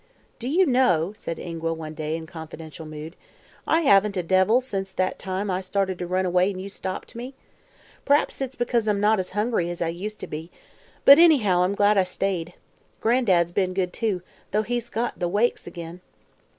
"Do you know," said Ingua one day, in confidential mood, "I haven't had the devils since that time I started to run away and you stopped me? P'r'aps it's because I'm not as hungry as I used to be; but, anyhow, I'm glad I stayed. Gran'dad's been good, too, 'though he's got the 'wakes' ag'in."